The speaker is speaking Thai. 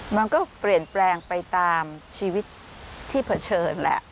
มันก็เปลี่ยนแปลงไปตามชีวิตที่เผชิญแหละ